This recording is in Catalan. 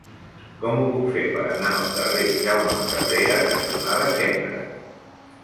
Com ho puc fer per anar al carrer Jaume Cabrera cantonada Cendra?